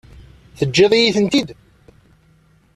Teǧǧiḍ-iyi-tent-id?